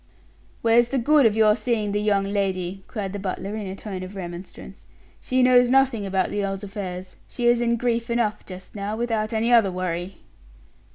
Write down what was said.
"Where's the good of your seeing the young lady?" cried the butler, in a tone of remonstrance. "She knows nothing about the earl's affairs; she is in grief enough just now, without any other worry."